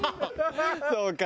そうか。